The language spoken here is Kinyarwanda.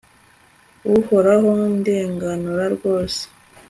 uhoraho, ndenganura rwose